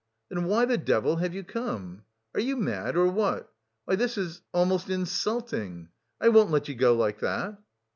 "Then why the devil have you come? Are you mad, or what? Why, this is... almost insulting! I won't let you go like that."